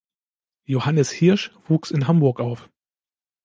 Johannes Hirsch wuchs in Hamburg auf.